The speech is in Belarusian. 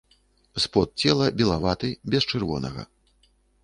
Спод цела белаваты, без чырвонага.